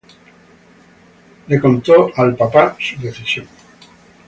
Le contó al papa su decisión.